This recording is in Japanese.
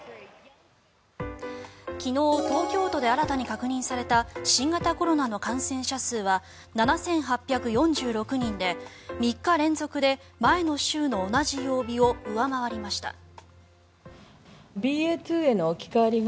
昨日、東京都で新たに確認された新型コロナの感染者数は７８４６人で３日連続で前の週の同じ曜日を上回りました。